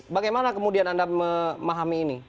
bagaimana kemudian anda memahami ini